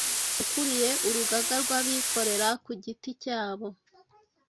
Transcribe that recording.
ukuriye Urugaga rw’Abikorera ku giti cyabo